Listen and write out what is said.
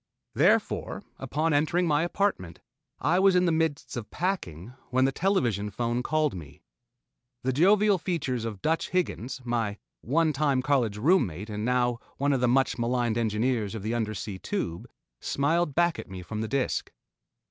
Therefore, upon entering my apartment, I was in the midst of packing when the television phone called me. The jovial features of "Dutch" Higgins, my one time college room mate and now one of the much maligned engineers of the Undersea Tube, smiled back at me from the disk.